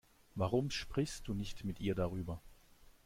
Warum sprichst du nicht mit ihr darüber?